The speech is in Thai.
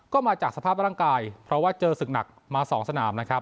ก็มาจากสภาพร่างกายเพราะว่าเจอศึกหนักมา๒สนามนะครับ